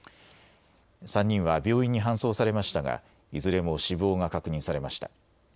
３人は病院に搬送されましたがいずれも死亡が確認されました。